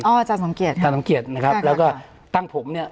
อ๋ออาจารย์สมเกียจท่านสมเกียจนะครับแล้วก็ตั้งผมเนี่ย